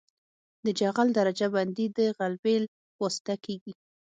د جغل درجه بندي د غلبیل په واسطه کیږي